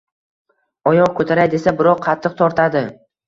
Oyoq ko‘taray desa, birov qattiq tortadi